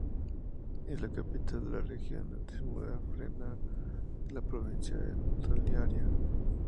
Es la capital de la región Atsimo-Andrefana y de la provincia de Toliara.